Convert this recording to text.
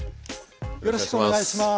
よろしくお願いします。